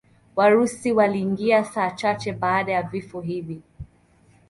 Warusi waliingia saa chache baada ya vifo hivi.